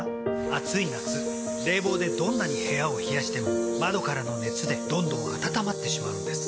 暑い夏冷房でどんなに部屋を冷やしても窓からの熱でどんどん暖まってしまうんです。